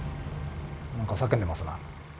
何か叫んでますな。